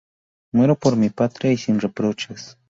Muero por mi patria y sin reproches.